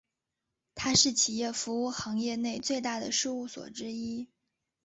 它是企业服务行业内最大的事务所之一。